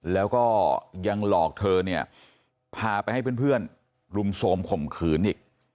แล้วก็ยังหลอกเธอเนี่ยพาไปให้เพื่อนรุมโทรมข่มขืนอีก